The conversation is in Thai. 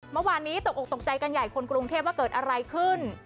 เมื่อวานนี้ตกออกตกใจกันใหญ่คนกรุงเทพว่าเกิดอะไรขึ้น